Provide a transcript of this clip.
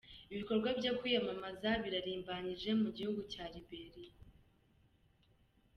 Ibikorwa byo kwiyamamaza birarimbanije mu gihugu cya Liberia.